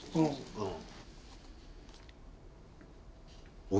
うん。